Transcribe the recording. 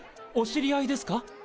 お知り合いですか？